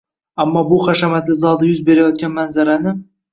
Ammo, bu hashamatli zalda yuz berayotgan manzarani